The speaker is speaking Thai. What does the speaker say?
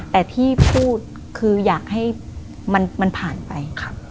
แต่ที่พูดคืออยากให้มันผ่านไป